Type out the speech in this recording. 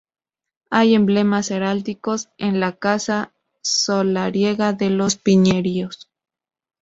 Hay emblemas heráldicos en la casa solariega de los Piñeiro.